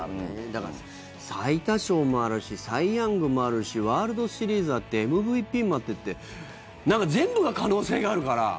だから最多勝もあるしサイ・ヤングもあるしワールドシリーズあってＭＶＰもあってってありますね。